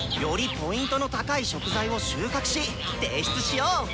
よりＰの高い食材を収穫し提出しよう！